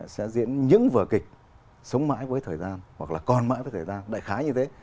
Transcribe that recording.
sẽ diễn những vở kịch sống mãi với thời gian hoặc là còn mãi với thời gian đại khái như thế